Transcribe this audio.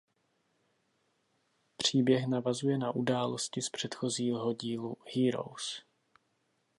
Příběh navazuje na události z předchozího dílu "Heroes".